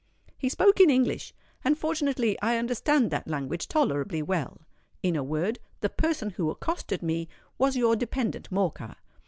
He spoke in English; and fortunately I understand that language tolerably well. In a word, the person who accosted me, was your dependant Morcar.